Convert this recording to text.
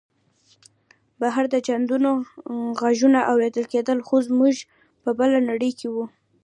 بهر د چاودنو غږونه اورېدل کېدل خو موږ په بله نړۍ کې وو